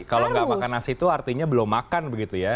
kalau nggak makan nasi itu artinya belum makan begitu ya